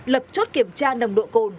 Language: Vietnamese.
lập chốt kiểm tra nồng độ cồn